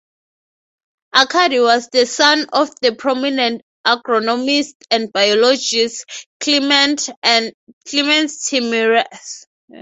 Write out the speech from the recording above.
Arkady was the son of the prominent agronomist and biologist Kliment Timiryazev.